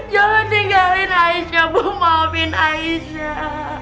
jangan tinggalin aisyah bu maafin aisyah